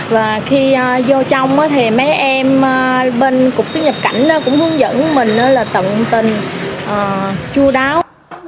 và khi vô trong thì mấy em bên cục xuất nhập cảnh cũng hướng dẫn mình là tận tình chú đáo